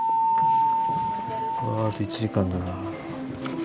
ああと１時間だな。